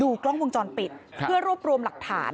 กล้องวงจรปิดเพื่อรวบรวมหลักฐาน